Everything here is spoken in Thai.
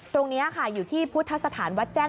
ตรงนี้ค่ะอยู่ที่พุทธสถานวัดแจ้ง